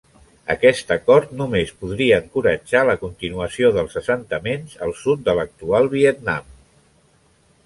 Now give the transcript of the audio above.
Aquest acord només podria encoratjar la continuació dels assentaments al sud de l'actual Vietnam.